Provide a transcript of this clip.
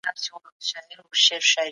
ملکیت د انسان حق دی.